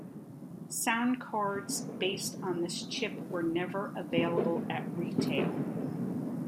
Sound cards based on this chip were never available at retail.